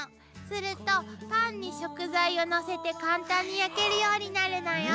するとパンに食材をのせて簡単に焼けるようになるのよ。